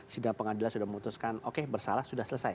sidang pengadilan sudah memutuskan oke bersalah sudah selesai